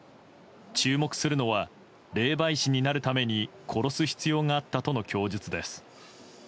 注目するのは霊媒師になるために殺す必要があったとの供述です。